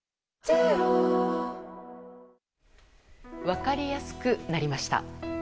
分かりやすくなりました。